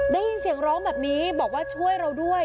ได้ยินเสียงร้องแบบนี้บอกว่าช่วยเราด้วย